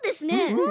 うん！